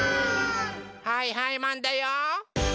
はいはいマンだよ！